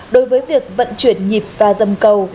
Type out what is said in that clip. đối với việc vận chuyển nhịp và dầm cầu